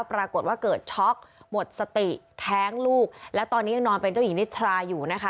ปรากฏว่าเกิดช็อกหมดสติแท้งลูกแล้วตอนนี้ยังนอนเป็นเจ้าหญิงนิทราอยู่นะคะ